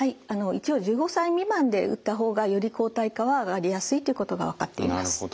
一応１５歳未満で打った方がより抗体価は上がりやすいということが分かっています。